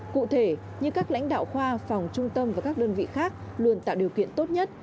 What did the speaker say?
cụ thể như các lãnh đạo khoa phòng trung tâm và các đơn vị khác luôn tạo điều kiện tốt nhất